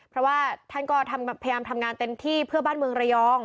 เพราะว่าท่านก็พยายามทำงานเต็มที่เพื่อบ้านเมืองระยอง